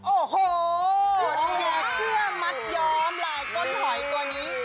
แฮคเชื่อมัดย้อมลายก้นหอยตัวนี้